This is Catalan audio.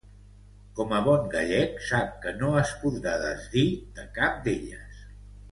Com a bon gallec, sap que no es podrà desdir de cap d’elles.